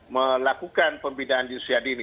melakukan pembinaan di usia dini